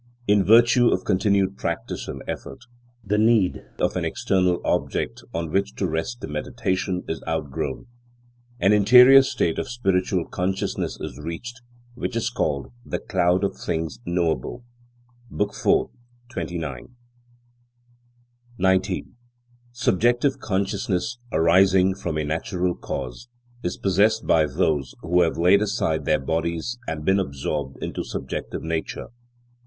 In virtue of continued practice and effort, the need of an external object on which to rest the meditation is outgrown. An interior state of spiritual consciousness is reached, which is called "the cloud of things knowable" (Book IV, 29). 19. Subjective consciousness arising from a natural cause is possessed by those who have laid aside their bodies and been absorbed into subjective nature.